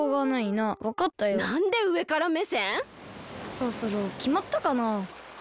そろそろきまったかな？